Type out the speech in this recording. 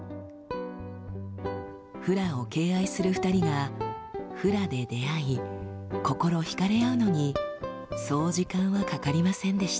フラを敬愛する２人がフラで出会い心惹かれ合うのにそう時間はかかりませんでした。